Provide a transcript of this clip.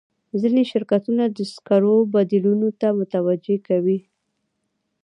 ځینې شرکتونه د سکرو بدیلونو ته توجه کوي.